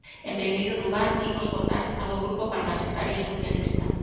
En primeiro lugar, imos votar a do Grupo Parlamentario Socialista.